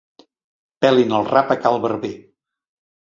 Pelin el rap a cal barber.